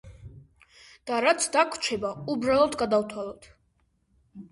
და რაც დაგვრჩება, უბრალოდ გადავთვალოთ.